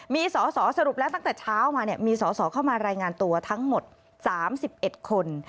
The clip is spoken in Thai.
มีสอสอสรุปแล้วตั้งแต่เช้ามามีสอสอเข้ามารายงานตัวทั้งหมด๓๑คน